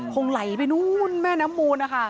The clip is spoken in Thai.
คงไหลไปนู้นแม่น้ำมูน